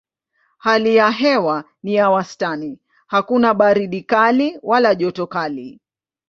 Hali ya hewa ni ya wastani hakuna baridi kali wala joto kali.